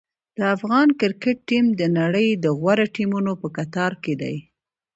د افغان کرکټ ټیم د نړۍ د غوره ټیمونو په کتار کې دی.